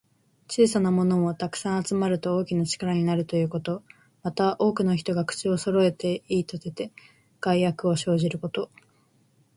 小さなものも、たくさん集まると大きな力になるということ。また、多くの人が口をそろえて言いたてて、害悪を生じること。